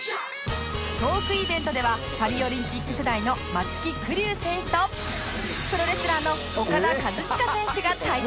トークイベントではパリオリンピック世代の松木玖生選手とプロレスラーのオカダ・カズチカ選手が対談